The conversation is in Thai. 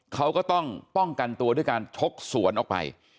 เขาก็ต้องป้องกันตัวด้วยการชกสวนออกไป